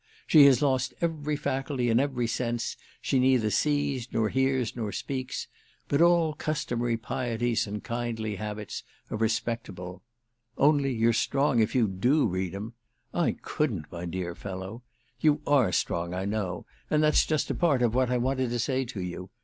She has lost every faculty and every sense; she neither sees, nor hears, nor speaks; but all customary pieties and kindly habits are respectable. Only you're strong if you do read 'em! I couldn't, my dear fellow. You are strong, I know; and that's just a part of what I wanted to say to you.